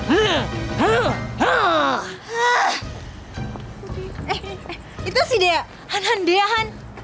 eh eh itu si dea han han dea han